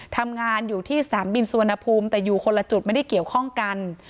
ทำงานอยู่ที่สนามบินสุวรรณภูมิแต่อยู่คนละจุดไม่ได้เกี่ยวข้องกัน